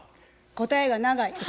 答えが長い。